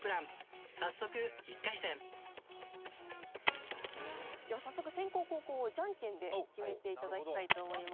早速１回戦では早速先攻後攻をジャンケンで決めて頂きたいと思います。